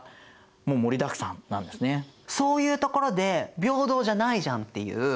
そういうところで平等じゃないじゃんっていう。